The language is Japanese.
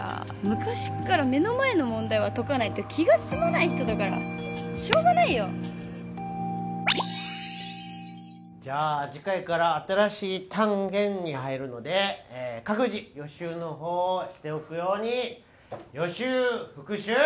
昔から目の前の問題は解かないと気が済まない人だからしょうがないよじゃあ次回から新しい単元に入るので各自予習の方をしておくように予習復習